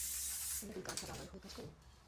তোমরা দুই গাধা বাবার হয়ে কাজ করো?